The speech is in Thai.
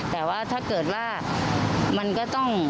แต่ว่าถ้าเกิดว่ามันก็ต้อง